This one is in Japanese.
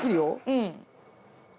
うん。